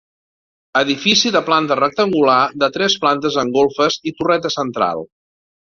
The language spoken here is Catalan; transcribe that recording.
Edifici de planta rectangular de tres plantes amb golfes i torreta central.